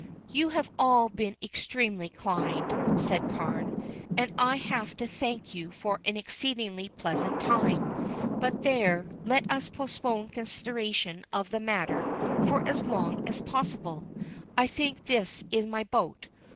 "You have all been extremely kind," said Carne, "and I have to thank you for an exceedingly pleasant time. But, there, let us postpone consideration of the matter for as long as possible. I think this is my boat.